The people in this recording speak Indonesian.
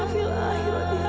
aku terlalu berharga